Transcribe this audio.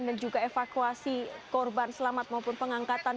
dan juga evakuasi korban selamat maupun pengangkatan